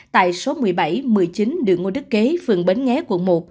tại số một mươi bảy một mươi chín đường ngô đức kế phường bến nghé quận một